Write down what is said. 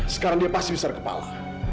sekarang dia pasti user kepala